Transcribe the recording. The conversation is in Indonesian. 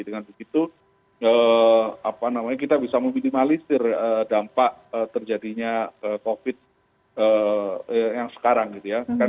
dengan begitu kita bisa meminimalisir dampak terjadinya covid yang sekarang gitu ya